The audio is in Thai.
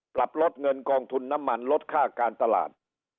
ปรับลดเงินกองทุนน้ำมันลดค่าการตลาด